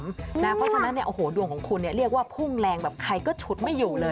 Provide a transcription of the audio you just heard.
เพราะฉะนั้นเนี่ยโอ้โฮดวงของคุณเนี่ยเรียกว่าพุ่งแรงแบบใครก็ฉุดไม่อยู่เลย